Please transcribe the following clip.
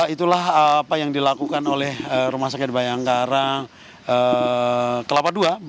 itulah apa yang dilakukan oleh rumah sakit bayangkara kelapa ii